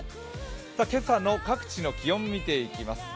今朝の各地の気温見ていきます。